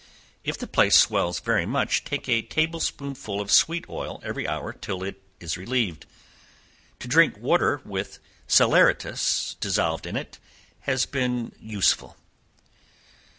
If the place swells very much, take a table spoonful of sweet oil every hour, till it is relieved. To drink water with salaeratus dissolved in it has been useful.